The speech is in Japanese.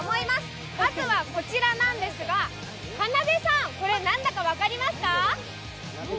まずはこちらなんですが、かなでさん、これ何だか分かりますか？